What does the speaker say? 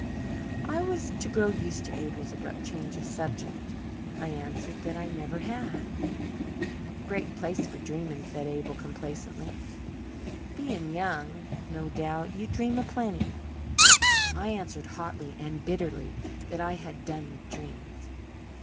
I was to grow used to Abel's abrupt change of subject. I answered that I never had. "Great place for dreaming," said Abel complacently. "Being young, no doubt, you dream a plenty." I answered hotly and bitterly that I had done with dreams.